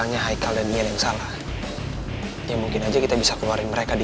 yaudah nanti selesai